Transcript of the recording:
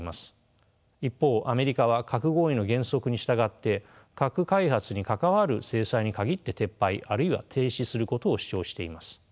一方アメリカは核合意の原則に従って核開発に関わる制裁に限って撤廃あるいは停止することを主張しています。